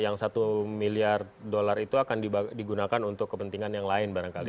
yang satu miliar dolar itu akan digunakan untuk kepentingan yang lain barangkali